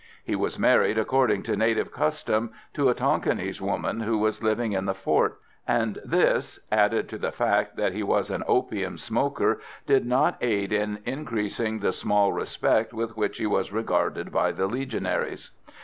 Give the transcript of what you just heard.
He was married, according to native custom, to a Tonquinese woman, who was living in the fort; and this, added to the fact that he was an opium smoker, did not aid in increasing the small respect with which he was regarded by the Legionaries.